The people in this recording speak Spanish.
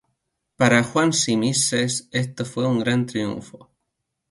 Para Juan Tzimisces esto fue un gran triunfo.